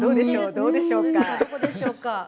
どうでしょうか？